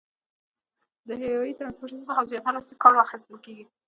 د هوایي ترانسپورتي څخه زیاتره څه کار اخیستل کیږي؟